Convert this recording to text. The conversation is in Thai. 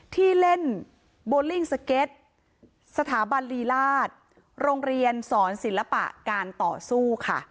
ที่เล่นโบลิ่งสเก็ตสถาบันลีราชโรงเรียนสอนศิลปะการต่อสู้ค่ะ